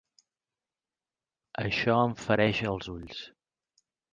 Això em fereix els ulls.